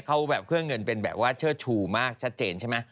ชุดอะไรแองจี้โชว์ใจกล้องเลยแองจี้